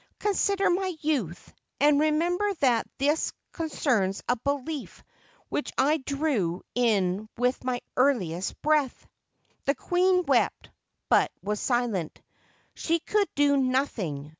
Consider my youth, and remember that this concerns a belief which I drew in with my earUest breath." The queen wept, but was silent. She could do noth ing.